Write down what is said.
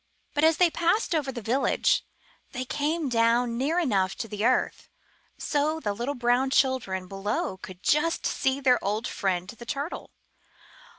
But as they passed over the village, they came down near enough to the earth, so the little brown children below could just see their old friend, the Turtle.